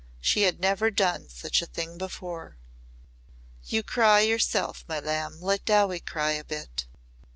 She had never done such a thing before. "You cry yourself, my lamb," she said. "Let Dowie cry a bit."